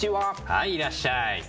はいいらっしゃい。